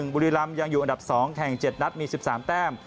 บุรีรำยังอยู่อันดับ๒แข่ง๗นัดมี๑๓แต้ม